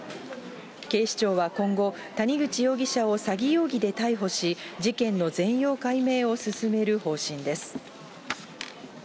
警視庁は今後、谷口容疑者を詐欺容疑で逮捕し、事件の全容解明を進める方針です。